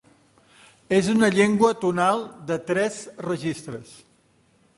És una llengua tonal de tres registres.